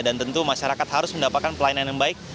dan tentu masyarakat harus mendapatkan pelayanan yang baik